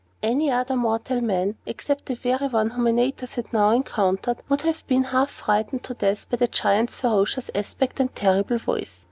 Any other mortal man, except the very one whom Antaeus had now encountered, would have been half frightened to death by the Giant's ferocious aspect and terrible voice.